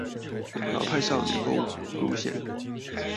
老派少女購物路線